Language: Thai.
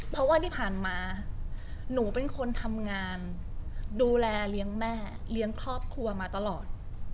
เพราะว่าที่ผ่านมาหนูเป็นคนทำงานดูแลเลี้ยงแม่เลี้ยงครอบครัวมาตลอด